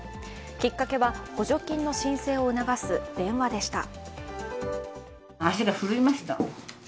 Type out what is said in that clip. きっかけは、補助金の申請を促す電話でした。